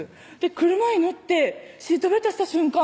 車に乗ってシートベルトした瞬間